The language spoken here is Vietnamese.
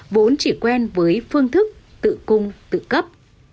vốn chỉ quen với phương thức tự cung tự cấp